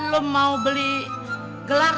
lo mau beli gelang